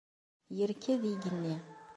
Yerked yigenni.